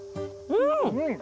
うん！